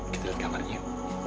kita lihat kamarnya yuk